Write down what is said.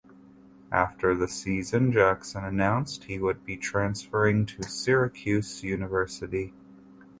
After the season Jackson announced he would be transferring to Syracuse University.